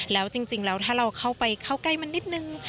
แล้วจริงแล้วถ้าเราเข้าไปเข้าใกล้มันนิดนึง